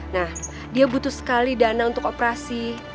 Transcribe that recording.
nah dia butuh sekali dana untuk operasi